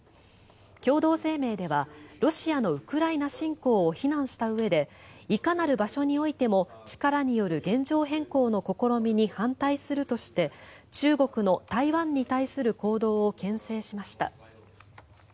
共同声明ではロシアのウクライナ侵攻を非難したうえでいかなる場所においても力による現状変更の試みに反対するとして中国の台湾に対する行動をけん制しました。